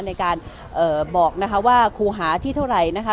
ในการบอกนะคะว่าครูหาที่เท่าไหร่นะคะ